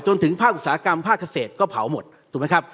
จนถึงภาคอุตสาหกรรมภาคเกษตรก็เผาหมดถูกไหมครับ